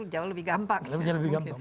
jauh lebih gampang